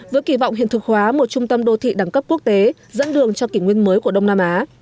với kỳ vọng hiện thực hóa một trung tâm đô thị đẳng cấp quốc tế dẫn đường cho kỷ nguyên mới của đông nam á